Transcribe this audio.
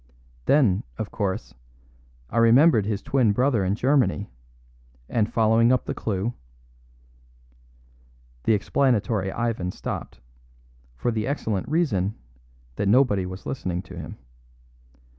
Then, of course, I remembered his twin brother in Germany, and following up the clue " The explanatory Ivan stopped, for the excellent reason that nobody was listening to him.